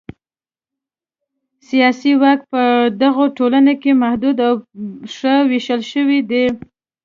سیاسي واک په دغو ټولنو کې محدود او ښه وېشل شوی دی.